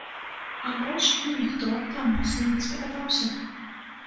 А больш мне ніхто там моцна не спадабаўся.